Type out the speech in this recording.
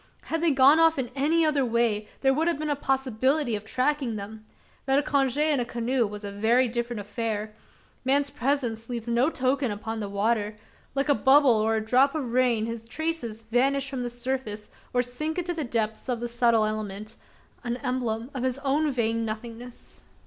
Had they gone off in any other way, there would have been a possibility of tracking them. But a conge in a canoe was a very different affair: man's presence leaves no token upon the water: like a bubble or a drop of rain, his traces vanish from the surface, or sink into the depths of the subtle element an emblem of his own vain nothingness!